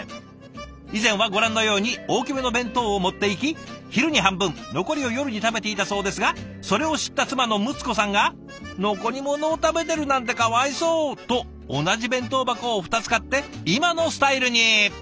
以前はご覧のように大きめの弁当を持っていき昼に半分残りを夜に食べていたそうですがそれを知った妻のむつこさんが「残り物を食べてるなんてかわいそう」と同じ弁当箱を２つ買って今のスタイルに。